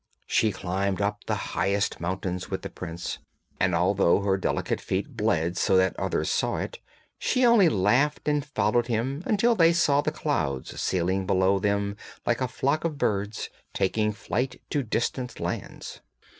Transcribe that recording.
She climbed up the highest mountains with the prince, and although her delicate feet bled so that others saw it, she only laughed and followed him until they saw the clouds sailing below them like a flock of birds, taking flight to distant lands.